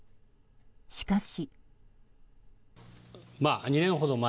しかし。